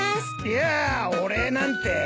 いやーお礼なんて。